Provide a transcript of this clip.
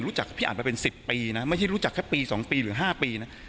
รู้จักพี่อัดมาเป็นสิบปีนะไม่ได้รู้จักแค่ปีสองปีหรือห้าปีน่ะ